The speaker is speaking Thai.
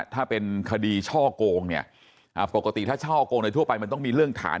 ถ้าเป็นคดีช่อโกงเนี่ยปกติถ้าช่อกงในทั่วไปมันต้องมีเรื่องฐาน